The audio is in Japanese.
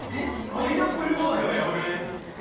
パイナップルバーガー、やばくない？